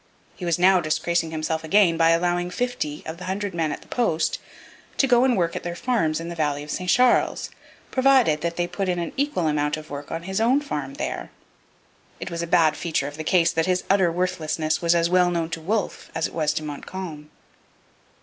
He was now disgracing himself again by allowing fifty of the hundred men at the post to go and work at their farms in the valley of the St Charles, provided that they put in an equal amount of work on his own farm there. It was a bad feature of the case that his utter worthlessness was as well known to Wolfe as it was to Montcalm.